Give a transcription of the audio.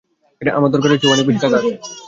আমার দরকারের চেয়েও অনেক বেশি টাকা আছে।